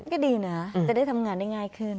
ก็ดีนะจะได้ทำงานได้ง่ายขึ้น